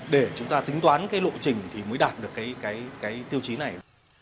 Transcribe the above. để chúng ta tính toán lộ trình thì mới đạt được tiêu chí này